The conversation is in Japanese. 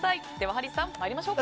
ハリーさん、参りましょう。